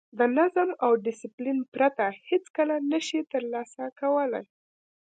د نظم او ډیسپلین پرته هېڅکله نه شئ ترلاسه کولای.